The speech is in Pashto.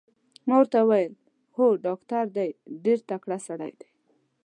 ما ورته وویل: هو ډاکټر دی، ډېر تکړه سړی دی.